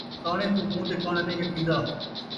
کاݨے کوں مون٘ہہ تے کاݨاں نئیں اکھین٘دا